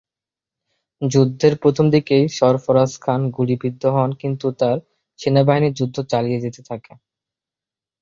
যুদ্ধের প্রথম দিকেই সরফরাজ খান গুলিবিদ্ধ হন কিন্তু তার সেনাবাহিনী যুদ্ধ চালিয়ে যেতে থাকে।